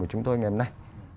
của chúng tôi ngày hôm nay